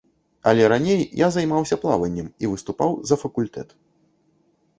Але раней я займаўся плаваннем і выступаў за факультэт.